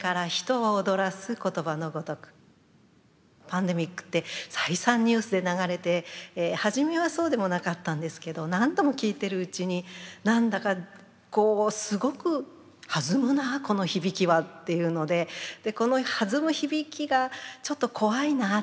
パンデミックって再三ニュースで流れて初めはそうでもなかったんですけど何度も聞いてるうちに何だかすごく弾むなこの響きはっていうのでこの弾む響きがちょっと怖いな。